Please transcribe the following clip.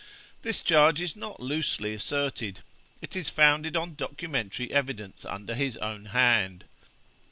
This charge is not loosely asserted; it is founded on documentary evidence under his own hand.